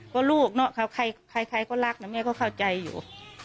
ก็ลูกเนอะใครก็รักนะแม่ก็เข้าใจอยู่